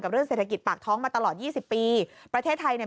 เรื่องเศรษฐกิจปากท้องมาตลอดยี่สิบปีประเทศไทยเนี่ย